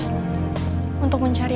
aku akan mencari